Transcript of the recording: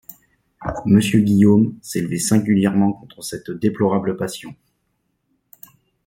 Monsieur Guillaume s’élevait singulièrement contre cette déplorable passion.